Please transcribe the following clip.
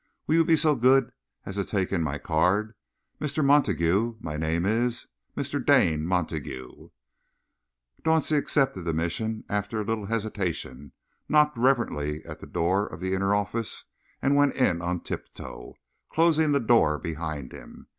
"Will you be so good as to take in my card? Mr. Montague, my name is Mr. Dane Montague." Dauncey accepted the mission after a little hesitation, knocked reverently at the door of the inner office, and went in on tiptoe, closing the door behind him.